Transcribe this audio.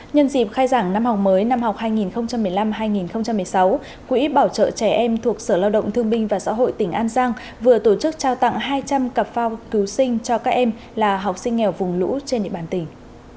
nhân dịp khai giảng năm học mới năm học hai nghìn một mươi năm hai nghìn một mươi sáu quỹ bảo trợ trẻ em thuộc sở lao động thương binh và xã hội tỉnh an giang vừa tổ chức trao tặng hai trăm linh cặp phao cứu sinh cho các em là học sinh nghèo vùng lũ trên địa bàn tỉnh